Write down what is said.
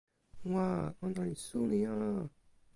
wa! ona li suli a!